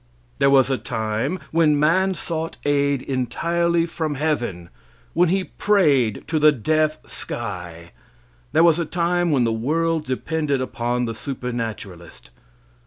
There was a time when man sought aid entirely from heaven when he prayed to the deaf sky. There was a time when the world depended upon the supernaturalist.